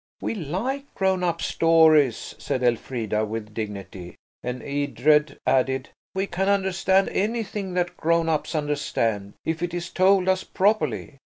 "We like grown up stories," said Elfrida, with dignity; and Edred added– "We can understand anything that grown ups understand if it's told us properly.